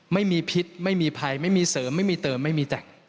ไม่มีพิษไม่มีภัยไม่มีเสริมไม่มีเติมไม่มีแจก